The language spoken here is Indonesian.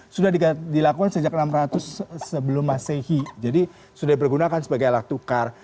sudah dilakukan sejak enam ratus sebelum masehi jadi sudah dipergunakan sebagai alat tukar